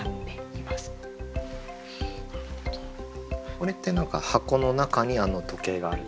これって何か箱の中にあの時計があるんですか？